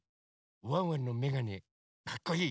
ワンワンのめがねかっこいい？